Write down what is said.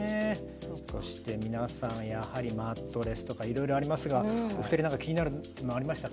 そして皆さんやはり「マットレス」とかいろいろありますがお二人は何か気になるものありましたか？